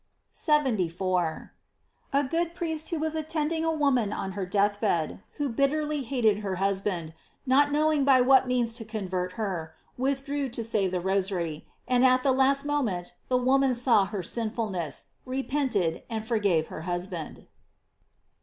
74. — A good priest who was attending a wom an on her death bed, who bitterly hated her hus band, not knowing by what means to convert her, withdrew to say the Rosary, and at the last moment that woman saw her sinfulness, repent ed, and forgave her husband.